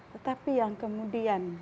tetapi yang kemudian